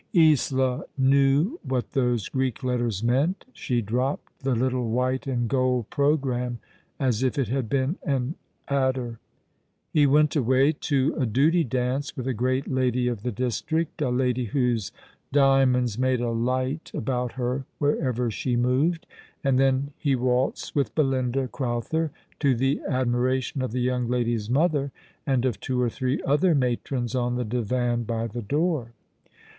Isola knew what those Greek letters meant. She dro^Dped the little white and gold programme as if it had been an adder. He went away to a duty dance with a great lady of the district — a lady w^hose diamonds made a light about her wherever she moved ; and then he waltzed with Belinda Crowther, to the admiration of the young lady's mother, and of two or three other matrons on the divan by the door.